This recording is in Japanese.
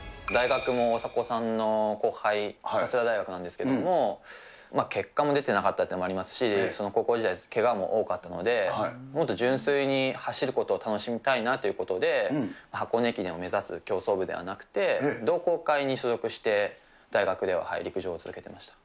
大学も大迫さんの後輩、早稲田大学なんですけれども、結果も出てなかったっていうのもありますし、高校時代、けがも多かったので、もっと純粋に走ることを楽しみたいなということで、箱根駅伝を目指す競走部ではなくて、同好会に所属して、大学では陸上を続けてました。